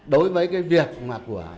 đối với cái việc của